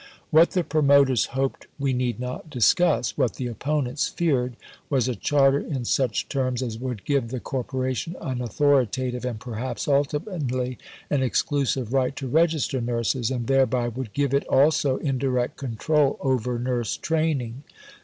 What the promoters hoped we need not discuss; what the opponents feared was a Charter in such terms as would give the Corporation an authoritative, and perhaps ultimately, an exclusive right to register nurses, and thereby would give it also indirect control over nurse training.